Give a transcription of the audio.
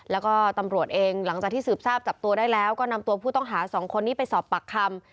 แล้วก็ตำรวจเองหลังจากที่สืบทราบจับตัวได้แล้วก็นำตัวผู้ต้องหาสองคนนี้ไปสอบปากคำ